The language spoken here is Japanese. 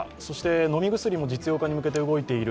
飲み薬も実用化に向けて動いている。